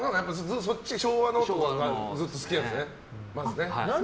昭和のとかがずっと好きなんですね。